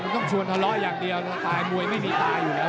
ต้องชวนทะเลาะอย่างเดียวตายมวยไม่มีตายอยู่แล้ว